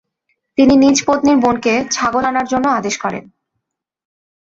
তিনি নিজ পত্নীর বোনকে ছাগল আনার জন্য আদেশ করেন।